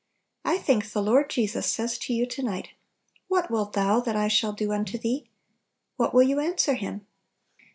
I think the Lord Jesus says to you to night, "What wilt thou that I shall do unto thee?" What will you answer Him?